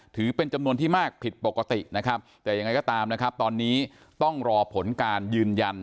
ถือเป็นจำนวนที่มากผิดปกตินะครับแต่ยังไงก็ตามนะครับตอนนี้ต้องรอผลการยืนยัน